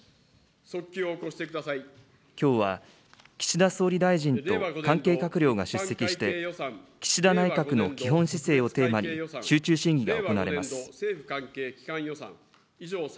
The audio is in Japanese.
きょうは岸田総理大臣と関係閣僚が出席して、岸田内閣の基本姿勢をテーマに集中審議が行われます。